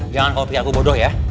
jangan kalau pihak aku bodoh ya